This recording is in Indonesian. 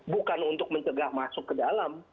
bukan untuk mencegah masuk ke dalam